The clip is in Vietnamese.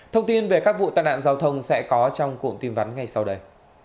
thông tin về các vụ tai nạn giao thông sẽ có trong cụm tin vắn ngay sau đây